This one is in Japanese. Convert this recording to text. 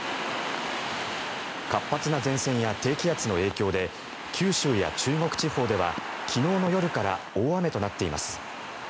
活発な前線や低気圧の影響で九州や中国地方では昨日の夜から大雨となっています。